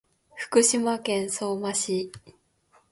福島県相馬市